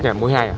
đây là mũi hai ạ